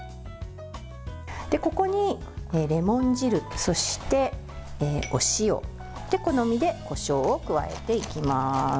ここにレモン汁、そして、お塩好みでこしょうを加えていきます。